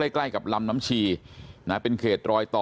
ใกล้กับลำน้ำชีนะเป็นเขตรอยต่อ